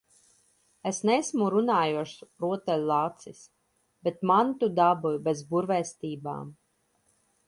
Es neesmu runājošs rotaļlācis, bet mani tu dabūji bez burvestībām.